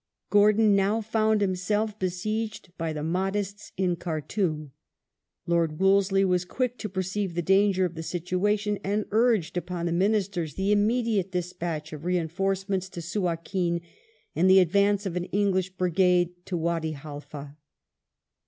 Gordon now found himself besieged by the Mahdists in Khartoum. Lord Wolseley was quick to perceive the danger of the situation, and urged upon Ministers the immediate despatch of reinforcements to Suakim, and the advance of an English Brigade to Wady Haifa.